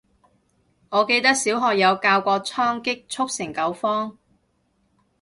我記得小學有教過倉頡速成九方